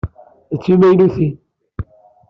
D timaynutin.